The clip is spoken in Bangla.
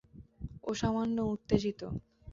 ও সামান্য উত্তেজিত।